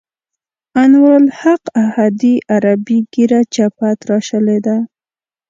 انوارالحق احدي عربي ږیره چپه تراشلې ده.